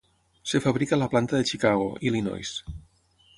Es fabrica a la planta de Chicago, Illinois.